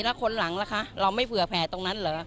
แล้วคนหลังล่ะคะเราไม่เผื่อแผลตรงนั้นเหรอ